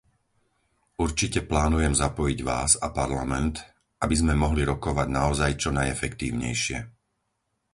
Určite plánujem zapojiť vás a Parlament, aby sme mohli rokovať naozaj čo najefektívnejšie.